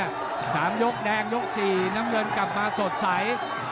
สามยกแดงยกสี่น้ำเงินกลับมาสดใส